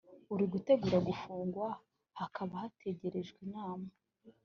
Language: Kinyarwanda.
uri gutegura gufungwa hakaba hategerejwe inama